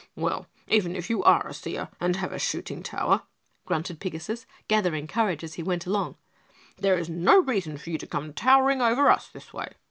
"Well, even if you are a seer and have a shooting tower," grunted Pigasus, gathering courage as he went along, "there is no reason for you to come towering over us this way!"